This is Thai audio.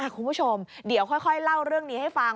คุณผู้ชมเดี๋ยวค่อยเล่าเรื่องนี้ให้ฟัง